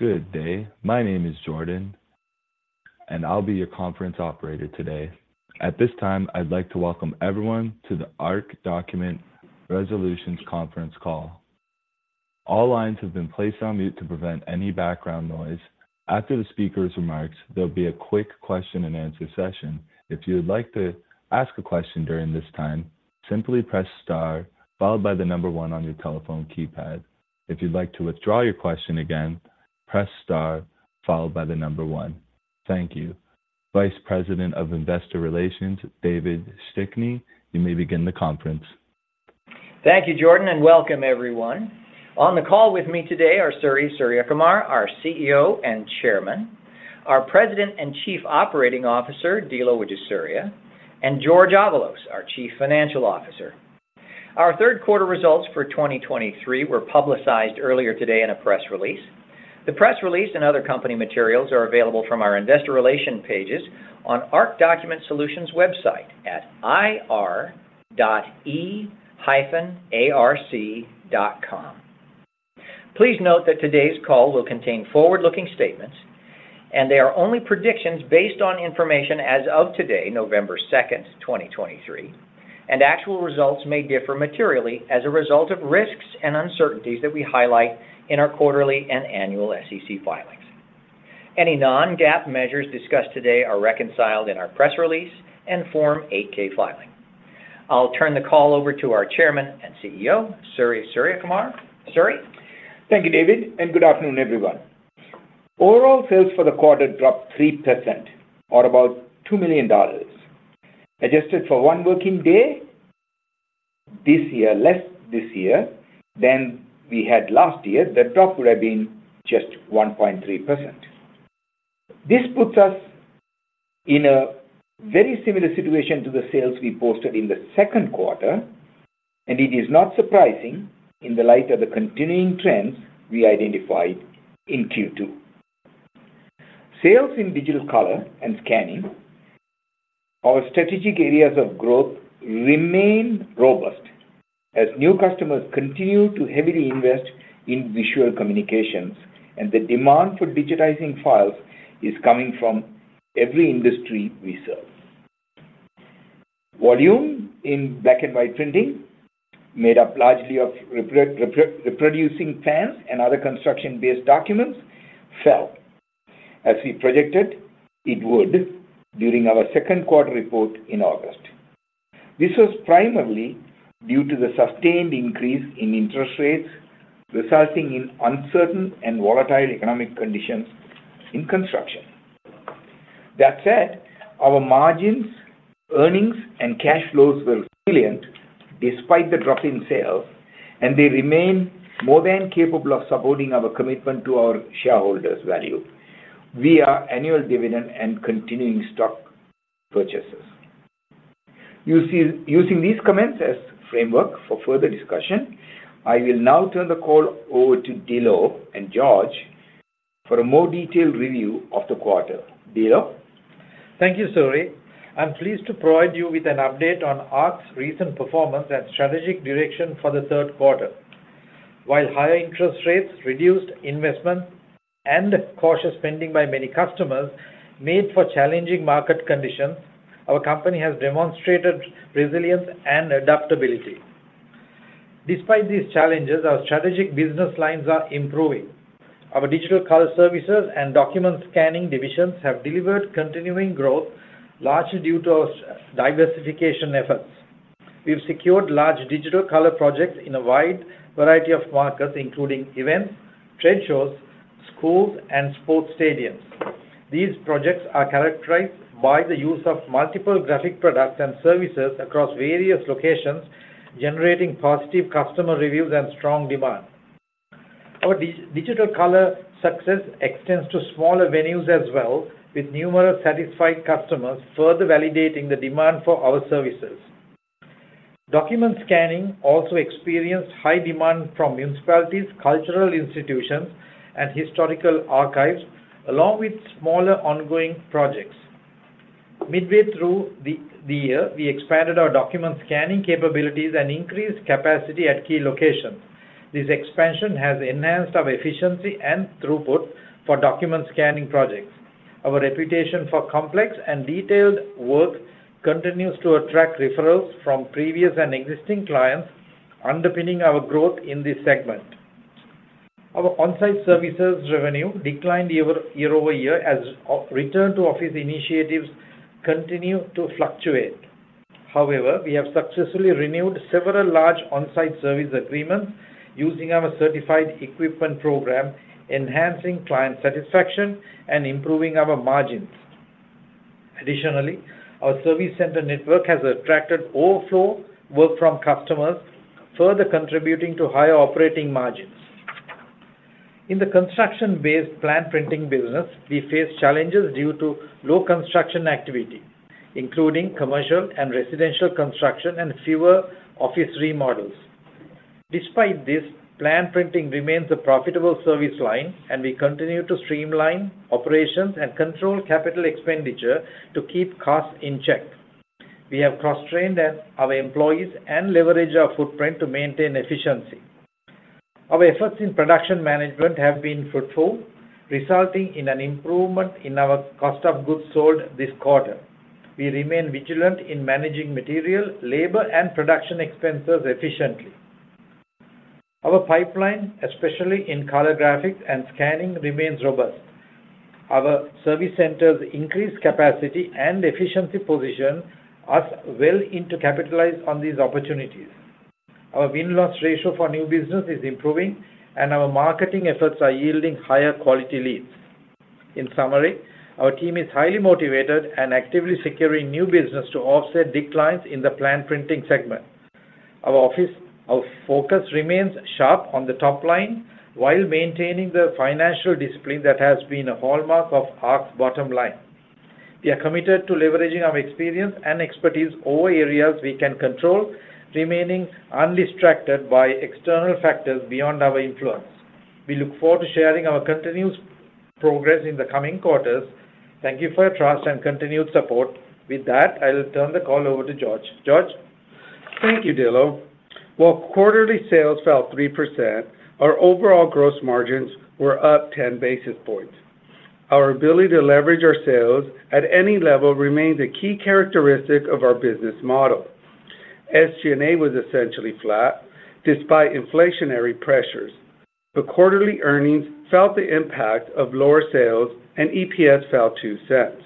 Good day. My name is Jordan, and I'll be your conference operator today. At this time, I'd like to welcome everyone to the ARC Document Solutions conference call. All lines have been placed on mute to prevent any background noise. After the speaker's remarks, there'll be a quick question and answer session. If you would like to ask a question during this time, simply press star followed by the number one on your telephone keypad. If you'd like to withdraw your question again, press star followed by the number one. Thank you. Vice President of Investor Relations, David Stickney, you may begin the conference. Thank you, Jordan, and welcome everyone. On the call with me today are Suri Suriyakumar, our CEO and Chairman, our President and Chief Operating Officer, Dilo Wijesuriya, and Jorge Avalos, our Chief Financial Officer. Our third quarter results for 2023 were publicized earlier today in a press release. The press release and other company materials are available from our investor relations pages on ARC Document Solutions website at ir.e-arc.com. Please note that today's call will contain forward-looking statements, and they are only predictions based on information as of today, 2nd November, 2023, and actual results may differ materially as a result of risks and uncertainties that we highlight in our quarterly and annual SEC filings. Any non-GAAP measures discussed today are reconciled in our press release and Form 8-K filing. I'll turn the call over to our Chairman and CEO, Suri Suriyakumar. Suri? Thank you, David, and good afternoon, everyone. Overall sales for the quarter dropped 3%, or about $2 million. Adjusted for one working day this year, less this year than we had last year, the drop would have been just 1.3%. This puts us in a very similar situation to the sales we posted in the second quarter, and it is not surprising in the light of the continuing trends we identified in Q2. Sales in digital color and scanning, our strategic areas of growth, remained robust as new customers continue to heavily invest in visual communications, and the demand for digitizing files is coming from every industry we serve. Volume in black-and-white printing, made up largely of reproducing plans and other construction-based documents, fell as we projected it would during our second quarter report in August. This was primarily due to the sustained increase in interest rates, resulting in uncertain and volatile economic conditions in construction. That said, our margins, earnings, and cash flows were resilient despite the drop in sales, and they remain more than capable of supporting our commitment to our shareholders' value via annual dividend and continuing stock purchases. Using these comments as framework for further discussion, I will now turn the call over to Dilo and Jorge for a more detailed review of the quarter. Dilo? Thank you, Suri. I'm pleased to provide you with an update on ARC's recent performance and strategic direction for the third quarter. While higher interest rates, reduced investment, and cautious spending by many customers made for challenging market conditions, our company has demonstrated resilience and adaptability. Despite these challenges, our strategic business lines are improving. Our digital color services and document scanning divisions have delivered continuing growth, largely due to our diversification efforts. We've secured large digital color projects in a wide variety of markets, including events, trade shows, schools, and sports stadiums. These projects are characterized by the use of multiple graphic products and services across various locations, generating positive customer reviews and strong demand. Our digital color success extends to smaller venues as well, with numerous satisfied customers further validating the demand for our services. Document scanning also experienced high demand from municipalities, cultural institutions, and historical archives, along with smaller ongoing projects. Midway through the year, we expanded our document scanning capabilities and increased capacity at key locations. This expansion has enhanced our efficiency and throughput for document scanning projects. Our reputation for complex and detailed work continues to attract referrals from previous and existing clients, underpinning our growth in this segment. Our on-site services revenue declined year over year, as return to office initiatives continue to fluctuate. However, we have successfully renewed several large on-site service agreements using our certified equipment program, enhancing client satisfaction and improving our margins. Additionally, our service center network has attracted overflow work from customers, further contributing to higher operating margins. In the construction-based plan printing business, we face challenges due to low construction activity, including commercial and residential construction and fewer office remodels. Despite this, plan printing remains a profitable service line, and we continue to streamline operations and control capital expenditure to keep costs in check. We have cross-trained our employees and leverage our footprint to maintain efficiency. Our efforts in production management have been fruitful, resulting in an improvement in our cost of goods sold this quarter. We remain vigilant in managing material, labor, and production expenses efficiently. Our pipeline, especially in color graphics and scanning, remains robust. Our service centers' increased capacity and efficiency position us well to capitalize on these opportunities. Our win-loss ratio for new business is improving, and our marketing efforts are yielding higher quality leads. In summary, our team is highly motivated and actively securing new business to offset declines in the plan printing segment. Our office, our focus remains sharp on the top line while maintaining the financial discipline that has been a hallmark of ARC's bottom line. We are committed to leveraging our experience and expertise over areas we can control, remaining undistracted by external factors beyond our influence. We look forward to sharing our continuous progress in the coming quarters. Thank you for your trust and continued support. With that, I will turn the call over to Jorge. Jorge? Thank you, Dilo. While quarterly sales fell 3%, our overall gross margins were up 10 basis points. Our ability to leverage our sales at any level remains a key characteristic of our business model. SG&A was essentially flat despite inflationary pressures, but quarterly earnings felt the impact of lower sales, and EPS fell $0.02.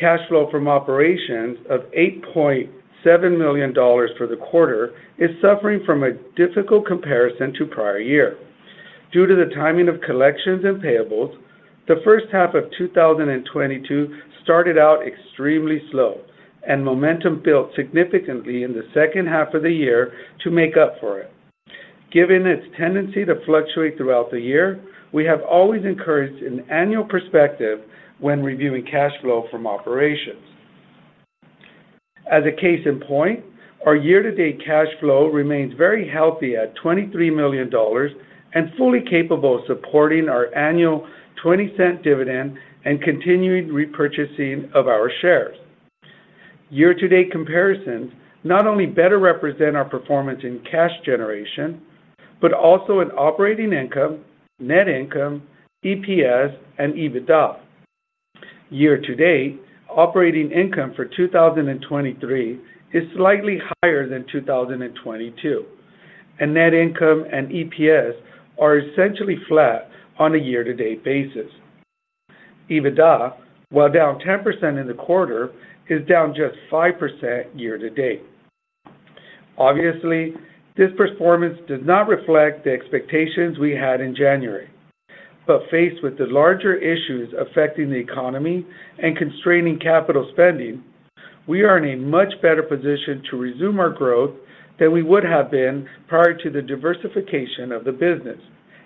Cash flow from operations of $8.7 million for the quarter is suffering from a difficult comparison to prior year. Due to the timing of collections and payables, the first half of 2022 started out extremely slow, and momentum built significantly in the second half of the year to make up for it. Given its tendency to fluctuate throughout the year, we have always encouraged an annual perspective when reviewing cash flow from operations. As a case in point, our year-to-date cash flow remains very healthy at $23 million and fully capable of supporting our annual $0.20 dividend and continuing repurchasing of our shares. Year-to-date comparisons not only better represent our performance in cash generation, but also in operating income, net income, EPS, and EBITDA. Year-to-date, operating income for 2023 is slightly higher than 2022, and net income and EPS are essentially flat on a year-to-date basis. EBITDA, while down 10% in the quarter, is down just 5% year-to-date. Obviously, this performance does not reflect the expectations we had in January, but faced with the larger issues affecting the economy and constraining capital spending, we are in a much better position to resume our growth than we would have been prior to the diversification of the business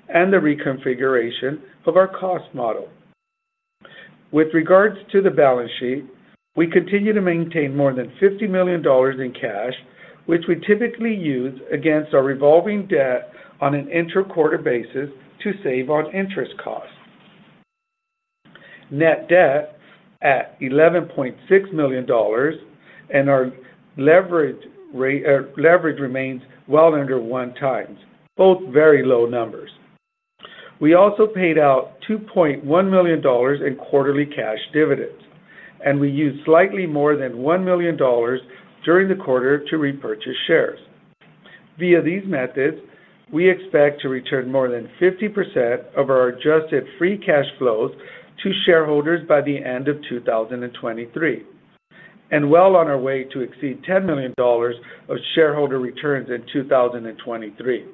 and the reconfiguration of our cost model. With regards to the balance sheet, we continue to maintain more than $50 million in cash, which we typically use against our revolving debt on an intra-quarter basis to save on interest costs. Net debt at $11.6 million, and our leverage remains well under 1x, both very low numbers. We also paid out $2.1 million in quarterly cash dividends, and we used slightly more than $1 million during the quarter to repurchase shares. Via these methods, we expect to return more than 50% of our adjusted free cash flows to shareholders by the end of 2023, and well on our way to exceed $10 million of shareholder returns in 2023.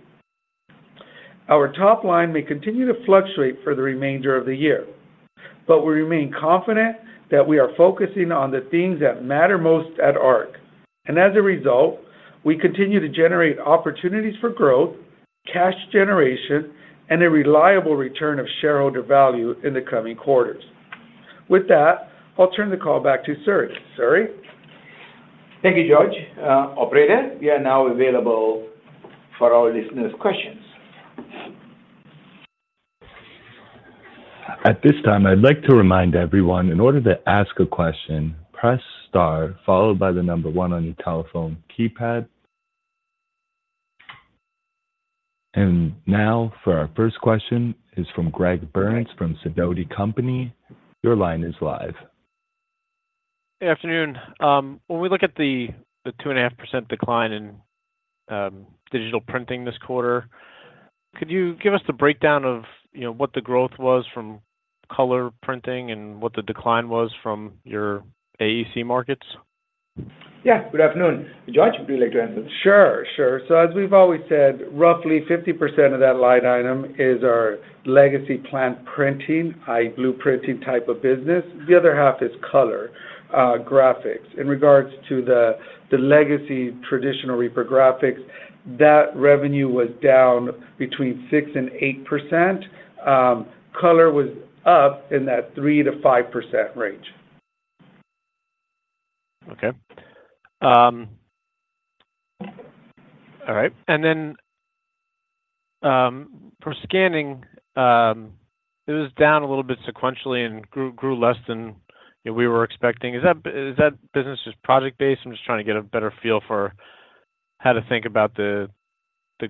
Our top line may continue to fluctuate for the remainder of the year, but we remain confident that we are focusing on the things that matter most at ARC. And as a result, we continue to generate opportunities for growth, cash generation, and a reliable return of shareholder value in the coming quarters. With that, I'll turn the call back to Suri. Suri? Thank you, Jorge. Operator, we are now available for our listeners' questions. At this time, I'd like to remind everyone, in order to ask a question, press star followed by the number one on your telephone keypad. Now for our first question is from Greg Burns from Sidoti & Company. Your line is live. Good afternoon. When we look at the 2.5% decline in digital printing this quarter, could you give us the breakdown of, you know, what the growth was from color printing and what the decline was from your AEC markets? Yeah, good afternoon. Jorge, would you like to answer this? Sure, sure. So as we've always said, roughly 50% of that line item is our legacy plan printing, i.e., blue printing type of business. The other half is color graphics. In regards to the legacy traditional reprographics, that revenue was down between 6% and 8%. Color was up in that 3%-5% range. Okay. All right, and then, for scanning, it was down a little bit sequentially and grew less than we were expecting. Is that business just project-based? I'm just trying to get a better feel for how to think about the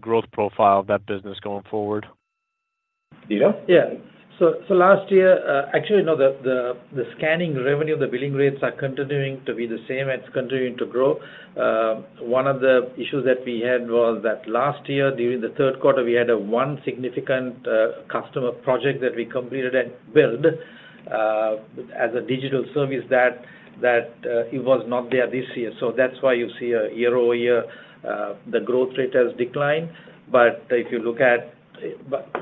growth profile of that business going forward. Dilo? Yeah. So last year, actually, no, the scanning revenue, the billing rates are continuing to be the same, and it's continuing to grow. One of the issues that we had was that last year, during the third quarter, we had one significant customer project that we completed and billed as a digital service that it was not there this year. So that's why you see a year-over-year the growth rate has declined. But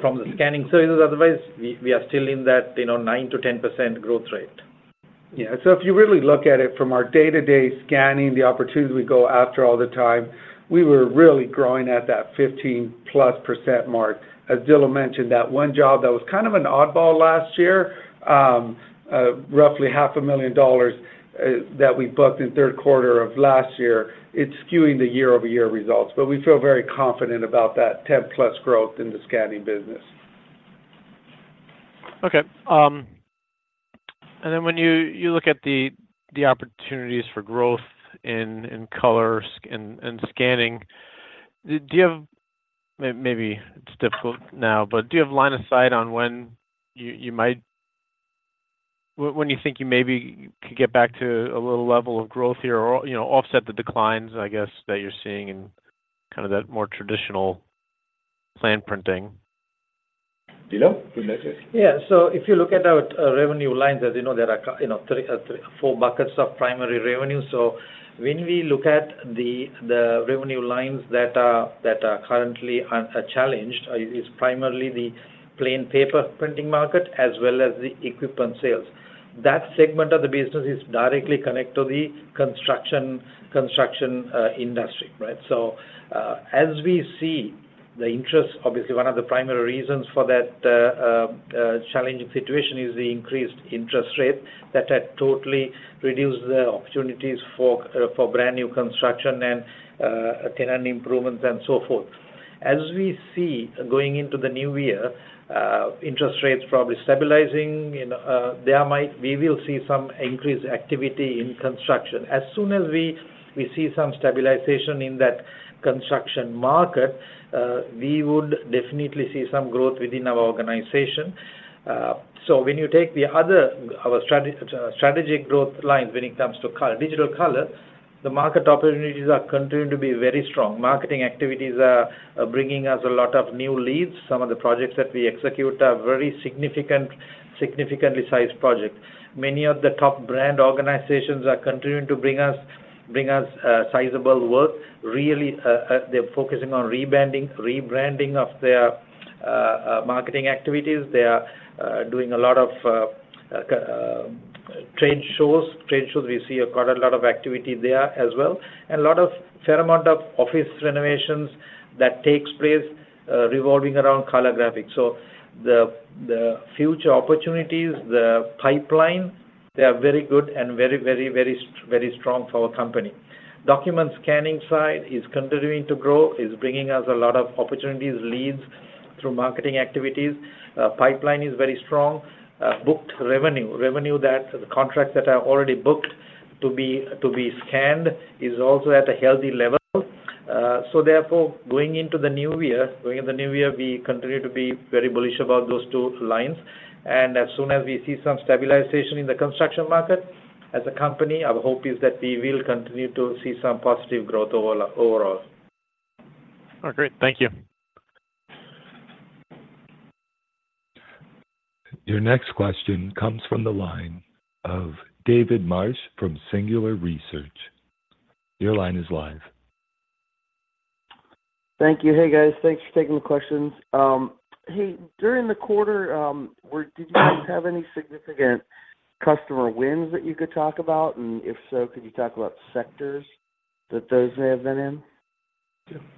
from the scanning services, otherwise, we are still in that, you know, 9%-10% growth rate. Yeah. So if you really look at it from our day-to-day scanning, the opportunities we go after all the time, we were really growing at that 15%+ mark. As Dilo mentioned, that one job, that was kind of an oddball last year, roughly $500,000, that we booked in third quarter of last year, it's skewing the year-over-year results, but we feel very confident about that 10%+ growth in the scanning business. Okay, and then when you look at the opportunities for growth in color and scanning, do you have maybe it's difficult now, but do you have line of sight on when you might when you think you maybe could get back to a little level of growth here or, you know, offset the declines, I guess, that you're seeing in kind of that more traditional plan printing? Dilo, would you like to- Yeah. So if you look at our revenue lines, as you know, there are, you know, three, four buckets of primary revenue. So when we look at the revenue lines that are currently challenged, is primarily the plain paper printing market as well as the equipment sales. That segment of the business is directly connected to the construction industry, right? So, as we see the interest, obviously, one of the primary reasons for that challenging situation is the increased interest rate that had totally reduced the opportunities for brand-new construction and tenant improvements and so forth. As we see, going into the new year, interest rates probably stabilizing, and we will see some increased activity in construction. As soon as we see some stabilization in that construction market, we would definitely see some growth within our organization. So when you take our strategic growth lines, when it comes to color, digital color, the market opportunities are continuing to be very strong. Marketing activities are bringing us a lot of new leads. Some of the projects that we execute are very significant, significantly sized projects. Many of the top brand organizations are continuing to bring us sizable work. Really, they're focusing on rebranding of their marketing activities. They are doing a lot of trade shows. Trade shows, we see quite a lot of activity there as well, and a fair amount of office renovations that takes place, revolving around color graphics. So the future opportunities, the pipeline, they are very good and very, very, very, very strong for our company. Document scanning side is continuing to grow, is bringing us a lot of opportunities, leads through marketing activities. Pipeline is very strong. Booked revenue, revenue that the contracts that are already booked to be, to be scanned is also at a healthy level. So therefore, going into the new year, going in the new year, we continue to be very bullish about those two lines. And as soon as we see some stabilization in the construction market, as a company, our hope is that we will continue to see some positive growth overall. Oh, great. Thank you. Your next question comes from the line of David Marsh from Singular Research. Your line is live. Thank you. Hey, guys. Thanks for taking the questions. Hey, during the quarter, did you guys have any significant customer wins that you could talk about? And if so, could you talk about sectors that those may have been in?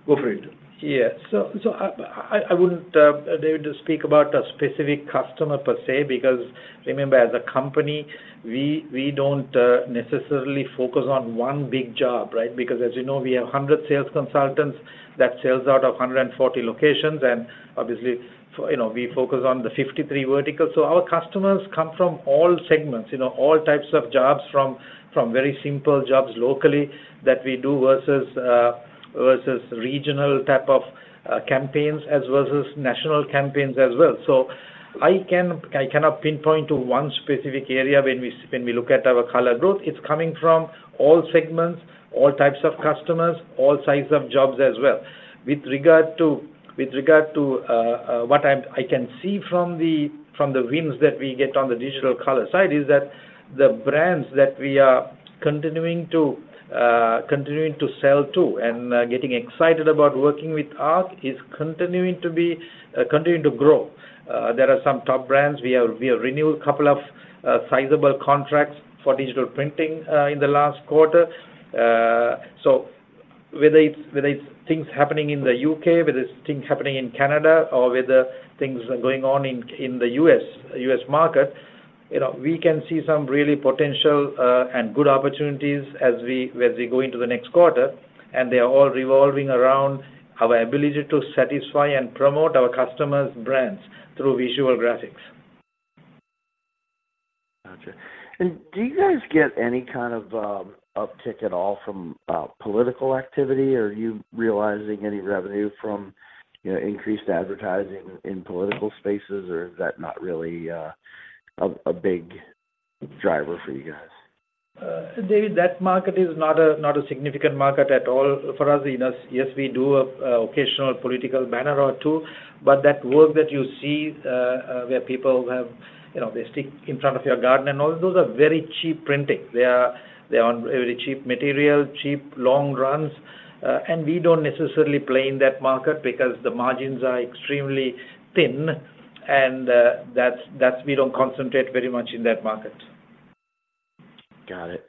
Go for it. Yeah. So I wouldn't, David, speak about a specific customer per se, because remember, as a company, we don't necessarily focus on one big job, right? Because as you know, we have 100 sales consultants that sells out of 140 locations, and obviously, you know, we focus on the 53 verticals. So our customers come from all segments, you know, all types of jobs, from very simple jobs locally that we do versus regional type of campaigns versus national campaigns as well. So I cannot pinpoint to one specific area when we look at our color growth. It's coming from all segments, all types of customers, all sizes of jobs as well. With regard to what I can see from the wins that we get on the digital color side is that the brands that we are continuing to sell to and getting excited about working with us is continuing to grow. There are some top brands. We have renewed a couple of sizable contracts for digital printing in the last quarter. So whether it's things happening in the U.K., whether it's things happening in Canada, or whether things are going on in the U.S. market. You know, we can see some really potential and good opportunities as we go into the next quarter, and they are all revolving around our ability to satisfy and promote our customers' brands through visual graphics. Gotcha. Do you guys get any kind of uptick at all from political activity? Are you realizing any revenue from, you know, increased advertising in political spaces, or is that not really a big driver for you guys? David, that market is not a significant market at all for us. You know, yes, we do a occasional political banner or two, but that work that you see, where people have, you know, they stick in front of your garden and all, those are very cheap printing. They are. They are on very cheap material, cheap long runs, and we don't necessarily play in that market because the margins are extremely thin, and that's we don't concentrate very much in that market. Got it.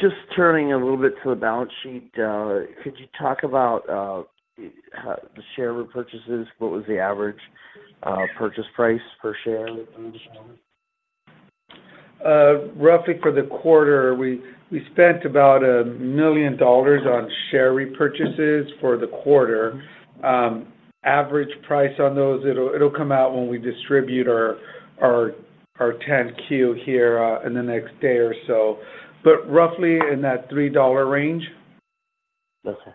Just turning a little bit to the balance sheet, could you talk about how the share repurchases, what was the average purchase price per share? Roughly for the quarter, we spent about $1 million on share repurchases for the quarter. Average price on those, it'll come out when we distribute our 10-Q here, in the next day or so. But roughly in that $3 range. Okay.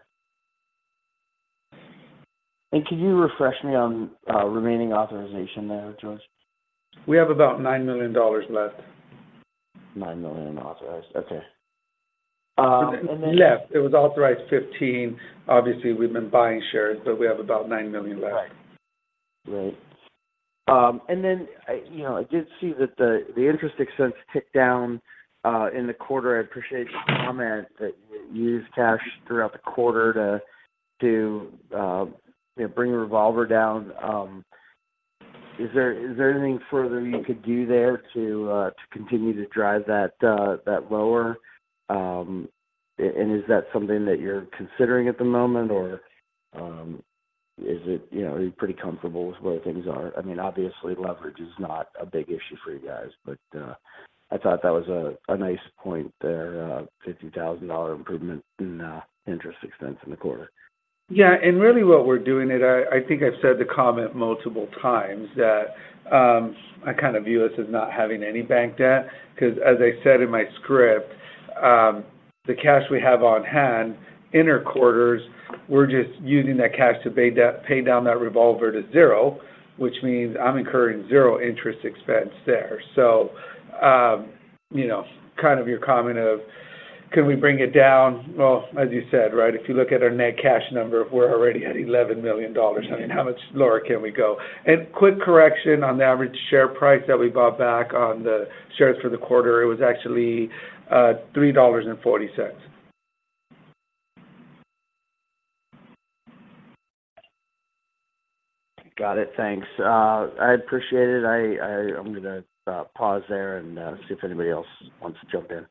Could you refresh me on remaining authorization there, Jorge? We have about $9 million left. nine million authorized. Okay. And then- Left. It was authorized 15. Obviously, we've been buying shares, but we have about nine million left. Right. And then I... You know, I did see that the interest expense ticked down in the quarter. I appreciate your comment that you used cash throughout the quarter to you know, bring the revolver down. Is there anything further you could do there to continue to drive that lower? And is that something that you're considering at the moment, or is it, you know, are you pretty comfortable with where things are? I mean, obviously, leverage is not a big issue for you guys, but I thought that was a nice point there, $50,000 improvement in interest expense in the quarter. Yeah, and really what we're doing, and I, I think I've said the comment multiple times, that, I kind of view this as not having any bank debt, 'cause as I said in my script, the cash we have on hand in our quarters, we're just using that cash to pay down that revolver to zero, which means I'm incurring zero interest expense there. So, you know, kind of your comment of, can we bring it down? Well, as you said, right, if you look at our net cash number, we're already at $11 million. I mean, how much lower can we go? And quick correction on the average share price that we bought back on the shares for the quarter, it was actually, $3.40. Got it. Thanks. I appreciate it. I'm gonna pause there and see if anybody else wants to jump in.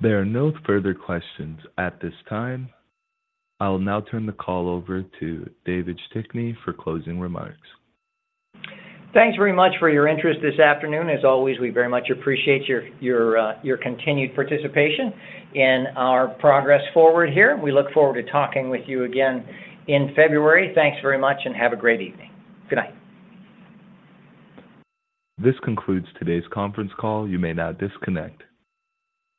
There are no further questions at this time. I will now turn the call over to David Stickney for closing remarks. Thanks very much for your interest this afternoon. As always, we very much appreciate your continued participation in our progress forward here. We look forward to talking with you again in February. Thanks very much and have a great evening. Good night. This concludes today's conference call. You may now disconnect.